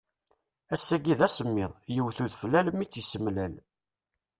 Ass-agi d asemmiḍ, yewwet udfel almi i tt-isemlal.